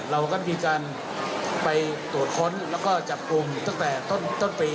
เราก็มีการไปตรวจค้นแล้วก็จับกลุ่มตั้งแต่ต้นปี